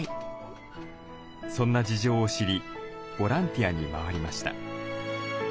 そんな事情を知りボランティアに回りました。